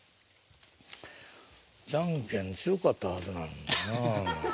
じゃんけん強かったはずなのになあ。